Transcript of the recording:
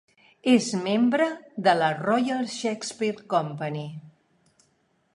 És membre de la Royal Shakespeare Company.